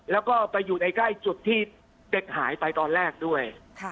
แล้วก็ไปอยู่ในใกล้จุดที่เป๊กหายไปตอนแรกด้วย